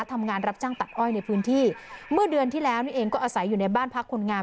ทำงานรับจ้างตัดอ้อยในพื้นที่เมื่อเดือนที่แล้วนี่เองก็อาศัยอยู่ในบ้านพักคนงาน